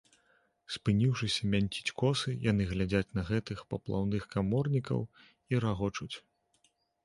Спыніўшыся мянціць косы, яны глядзяць на гэтых паплаўных каморнікаў і рагочуць.